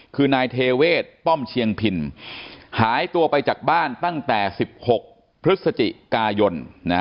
คือนายเทเวศป้อมเชียงพินหายตัวไปจากบ้านตั้งแต่๑๖พฤศจิกายน